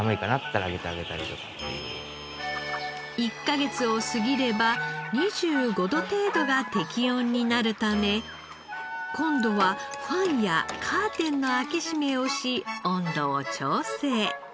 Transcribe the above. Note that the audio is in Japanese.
１カ月を過ぎれば２５度程度が適温になるため今度はファンやカーテンの開け閉めをし温度を調整。